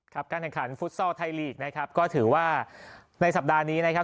การแข่งขันฟุตซอลไทยลีกนะครับก็ถือว่าในสัปดาห์นี้นะครับ